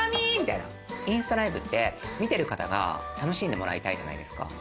インスタライブって見てる方が楽しんでもらいたいじゃないですか。